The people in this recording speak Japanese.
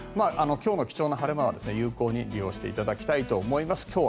今日の貴重な晴れ間は有効に利用していただきたいと思います。